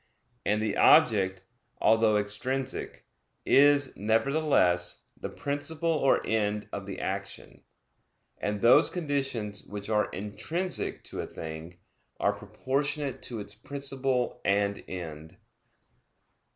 And the object, although extrinsic, is, nevertheless, the principle or end of the action; and those conditions which are intrinsic to a thing, are proportionate to its principle and end.